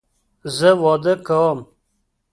زه واده کوم